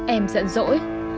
em giận dỗi